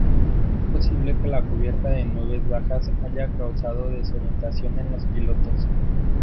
Es posible que la cubierta de nubes bajas haya causada desorientación en los pilotos.